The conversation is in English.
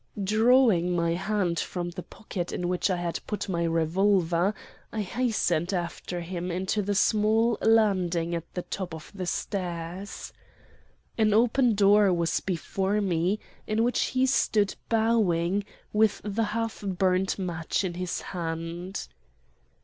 Drawing my hand from the pocket in which I had put my revolver, I hastened after him into the small landing at the top of the stairs. An open door was before me, in which he stood bowing, with the half burnt match in his hand.